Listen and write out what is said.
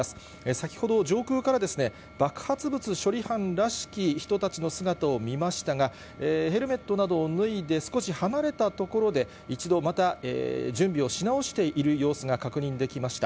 先ほど、上空から爆発物処理班らしき人たちの姿を見ましたが、ヘルメットなどを脱いで、少し離れた所で、一度また準備をし直している様子が確認できました。